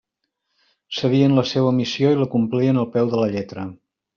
Sabien la seua missió i la complien al peu de la lletra.